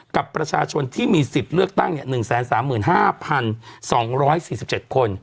กับประชาชนที่มีสิทธิ์เลือกตั้ง๑๓๕๒๔๗คน